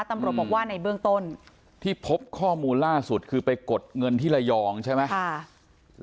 ตำรวจบอกว่าในเบื้องต้นที่พบข้อมูลล่าสุดคือไปกดเงินที่ระยองใช่ไหม